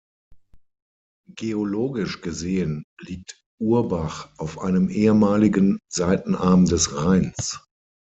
Geologisch gesehen liegt Urbach auf einem ehemaligen Seitenarm des Rheins.